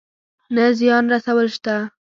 نه زيان رسول شته.